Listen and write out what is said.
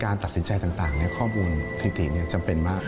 ตัดสินใจต่างข้อมูลสถิติจำเป็นมาก